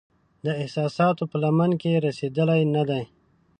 د احساساتو په لمن کې رسیدلې نه دی